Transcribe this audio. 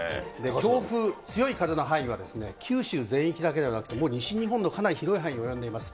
強風、強い風の範囲は九州全域だけではなくて、もう西日本のかなり広い範囲に及んでいます。